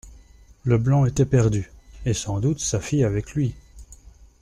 Leblanc était perdu, et sans doute sa fille avec lui.